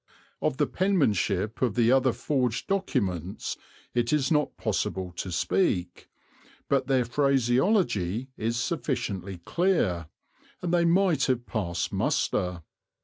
Of the penmanship of the other forged documents it is not possible to speak, but their phraseology is sufficiently clear, and they might have passed muster.